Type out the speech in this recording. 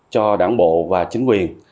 cho đảng bộ và chính quyền